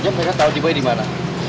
mereka tau si boy dimana